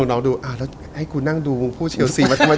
น้องดูอ่ะแล้วให้กูนั่งดูพูดเชียวซีมาจังหนา